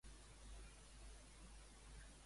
Allí què ha oferit?